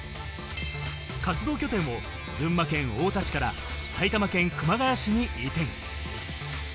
活動拠点を群馬県太田市から埼玉県熊谷市に移転。